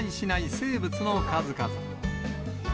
生物の数々。